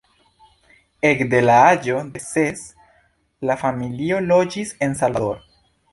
Ekde la aĝo de ses la familio loĝis en Salvador.